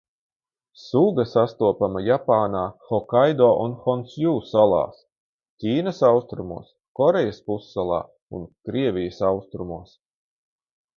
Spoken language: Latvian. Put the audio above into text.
Suga sastopama Japānā Hokaido un Honsju salās, Ķīnas austrumos, Korejas pussalā un Krievijas austrumos.